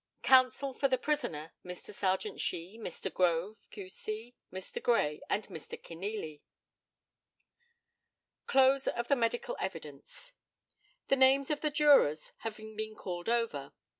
Counsel for the prisoner, Mr. Serjeant Shee, Mr. Grove, Q.C., Mr. Gray, and Mr. Kenealy. CLOSE OF THE MEDICAL EVIDENCE. The names of the jurors having been called over.